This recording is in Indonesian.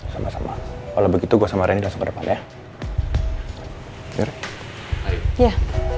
sama sama kalau begitu gue sama rendy langsung ke depan ya